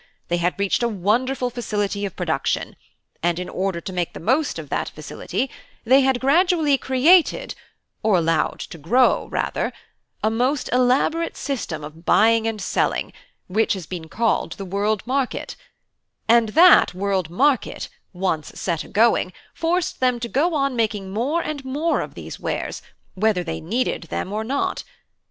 They had reached a wonderful facility of production, and in order to make the most of that facility they had gradually created (or allowed to grow, rather) a most elaborate system of buying and selling, which has been called the World Market; and that World Market, once set a going, forced them to go on making more and more of these wares, whether they needed them or not.